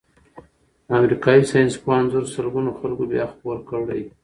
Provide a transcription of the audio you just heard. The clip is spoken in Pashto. د امریکايي ساینسپوه انځور سلګونو خلکو بیا خپور کړی.